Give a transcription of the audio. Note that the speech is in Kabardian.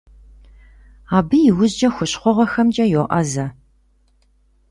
Абы иужькӀэ хущхъуэгъуэхэмкӀэ йоӀэзэ.